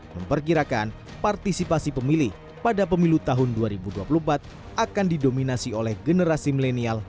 memperkirakan partisipasi pemilih pada pemilu tahun dua ribu dua puluh empat akan didominasi oleh generasi milenial